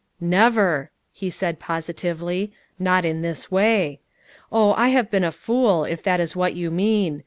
"Never," he said positively. "Not in this way. Oh, I have been a fool, if that is what you mean.